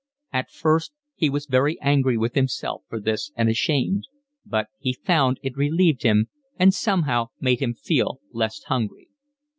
At first he was very angry with himself for this and ashamed, but he found it relieved him, and somehow made him feel less hungry.